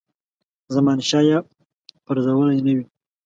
زمانشاه یې پرزولی نه وي.